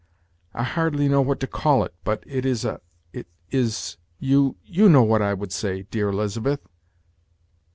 I hardly know what to call it; but it is a is you know what I would say, dear Elizabeth."